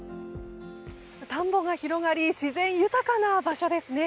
田んぼが広がり自然豊かな場所ですね。